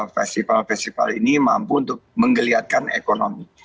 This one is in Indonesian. festival festival ini mampu untuk menggeliatkan ekonomi